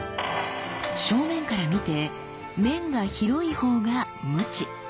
正面から見て面が広いほうがムチ。